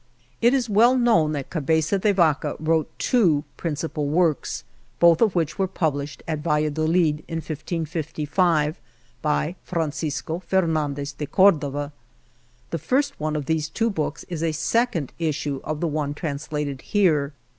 It is well known that Cabeza de Vaca wrote two principal works, both of which were published at Valladolid in 1555 by Francisco Fernandez de Cordova. The first one of these two books is a second issue of the one translated here.